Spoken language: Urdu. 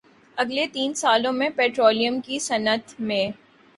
اگلے تین سالوں میں پٹرولیم کی صنعت میں